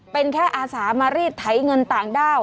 เป็นแค่อาสามารีดไถเงินต่างด้าว